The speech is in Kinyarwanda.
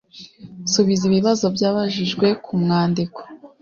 subiza ibibazo byabajijwe ku mwandiko